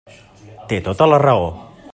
Té tota la raó.